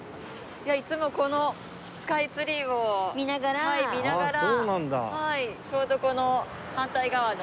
いつもこのスカイツリーを見ながらちょうどこの反対側の。